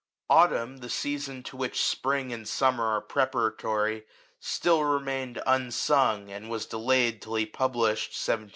" Autumn," the season to which the ^' Spring" and " Summer" are preparatory, still remained unsung, and was delayed till he published (1730) his works collected*.